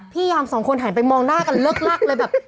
พยายามสองคนหันไปมองหน้ากันเลิกลักเลยแบบ